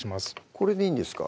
これでいいんですか？